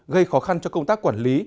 gây khó khăn cho công tác quản lý